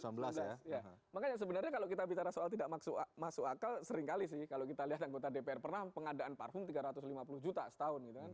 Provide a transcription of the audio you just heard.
ya makanya sebenarnya kalau kita bicara soal tidak masuk akal seringkali sih kalau kita lihat anggota dpr pernah pengadaan parfum tiga ratus lima puluh juta setahun gitu kan